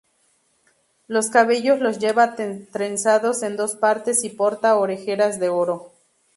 Los cabellos los lleva trenzados en dos partes y porta orejeras de oro.